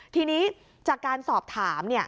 ทีนี้จากการสอบถาม